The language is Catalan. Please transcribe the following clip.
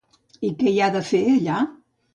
I què hi ha de fer allà?